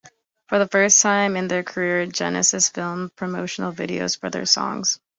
For the first time in their career, Genesis filmed promotional videos for their songs.